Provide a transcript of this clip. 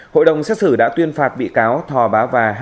hội đồng xét xử đã tuyên phạt bị cáo thò bá và